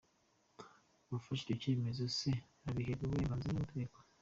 Uwafashe icyo cyemezo se abiherwa uburenganzira n’amategeko ?